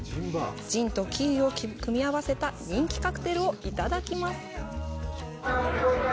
ジンとキウイを組み合わせた人気カクテルをいただきます。